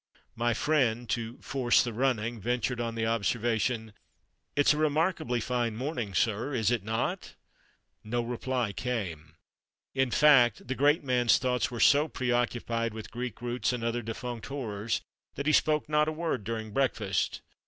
My friend, to "force the running," ventured on the observation "It's a remarkably fine morning, sir, is it not?" No reply came. In fact, the great man's thoughts were so preoccupied with Greek roots, and other defunct horrors, that he spoke not a word during breakfast.